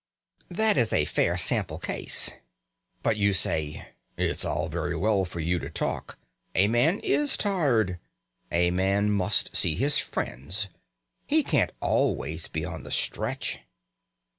That is a fair sample case. But you say: "It's all very well for you to talk. A man is tired. A man must see his friends. He can't always be on the stretch."